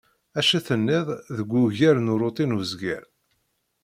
Acu tenniḍ deg wugar n uṛuti n uzger?